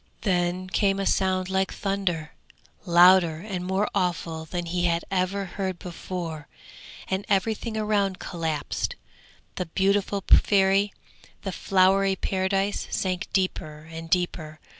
Then came a sound like thunder, louder and more awful than any he had ever heard before, and everything around collapsed. The beautiful Fairy, the flowery Paradise sank deeper and deeper.